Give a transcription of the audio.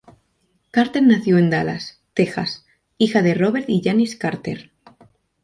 Carter nació en Dallas, Texas, hija de Robert y Janice Carter.